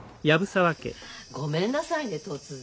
ごめんなさいね突然。